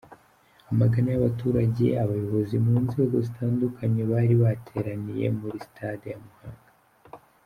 Amagana y’abaturage, abayobozi mu nzego zitandukanye bari bateraniye muri sitade ya Muhanga.